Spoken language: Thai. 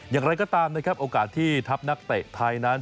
อย่างไรก็ตามนะครับโอกาสที่ทัพนักเตะไทยนั้น